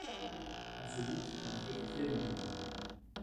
On se doute qu’ils furent très nombreux.